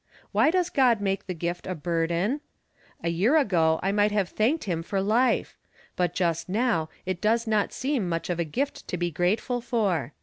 Why does God make the gift a burden ? A year ago I might have thanked him for life ; but just now it does not seem much of a gift to be grateful for.